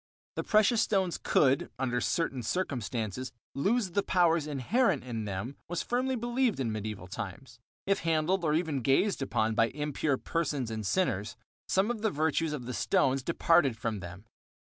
That precious stones could, under certain circumstances, lose the powers inherent in them was firmly believed in medieval times. If handled or even gazed upon by impure persons and sinners, some of the virtues of the stones departed from them.